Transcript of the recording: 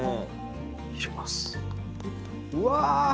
うわ！